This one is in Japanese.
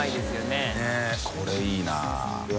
ねぇこれいいな。